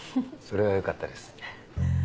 それはよかったです。